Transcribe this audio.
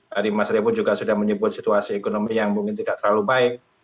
tadi mas revo juga sudah menyebut situasi ekonomi yang mungkin tidak terlalu baik